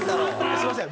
すいません